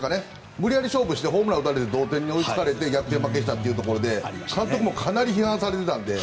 無理やり勝負してホームラン打たれて同点に追いつかれて逆転負けしたというところで監督もかなり批判されていたので。